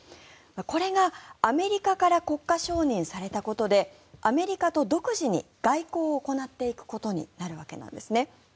これがアメリカから国家承認されたことでアメリカと独自に外交を行っていくことになるわけです。